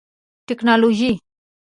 ټکنالوژي